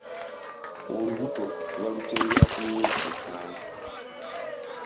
Olubuto balutengera ku myezi musanvu.